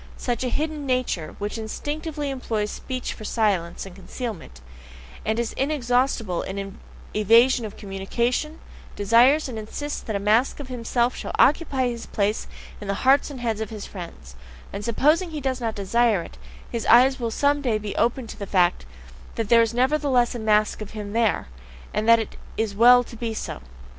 Such a hidden nature, which instinctively employs speech for silence and concealment, and is inexhaustible in evasion of communication, DESIRES and insists that a mask of himself shall occupy his place in the hearts and heads of his friends; and supposing he does not desire it, his eyes will some day be opened to the fact that there is nevertheless a mask of him there and that it is well to be so.